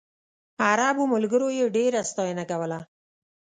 عربو ملګرو یې ډېره ستاینه کوله.